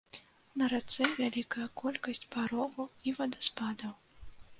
На рацэ вялікая колькасць парогаў і вадаспадаў.